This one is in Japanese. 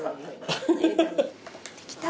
できた。